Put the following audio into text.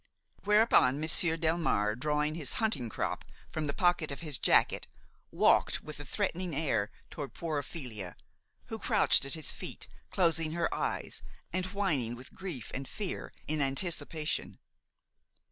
Whereupon Monsieur Delmare, drawing his hunting crop from the pocket of his jacket, walked with a threatening air toward poor Ophelia, who crouched at his feet, closing her eyes, and whining with grief and fear in anticipation.